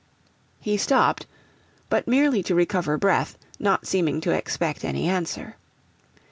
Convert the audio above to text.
He stopped, but merely to recover breath, not seeming to expect any answer.